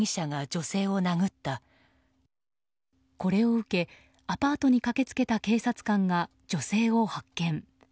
これを受けアパートに駆け付けた警察官が女性を発見。